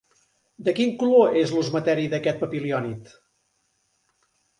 De quin color és l'osmeteri d'aquest papiliònid?